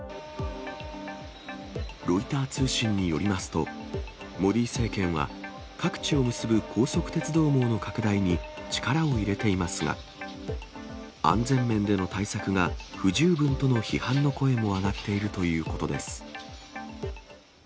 ロイター通信によりますと、モディ政権は各地を結ぶ高速鉄道網の拡大に力を入れていますが、安全面での対策が不十分との批判の声も上がっているということです。